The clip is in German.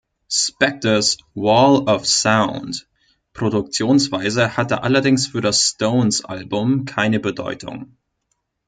Spectors "„Wall-of-Sound“"-Produktionsweise hatte allerdings für das Stones-Album keine Bedeutung.